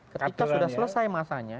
ketika sudah selesai masanya